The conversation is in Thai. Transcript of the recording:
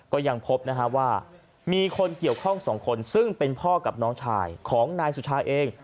ก็ยังพบนะฮะว่ามีคนเกี่ยวข้องสองคนซึ่งเป็นพ่อกับน้องชายของนายสุชาเอง